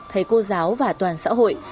thầy cô giáo và toàn xã hội